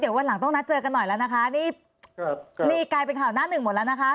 เดี๋ยววันหลังเจอกันหน่อยนะนะคะ